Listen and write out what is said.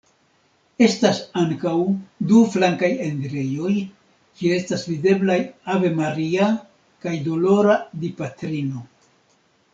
Estas ankaŭ du flankaj enirejoj, kie estas videblaj Ave Maria kaj Dolora Dipatrino.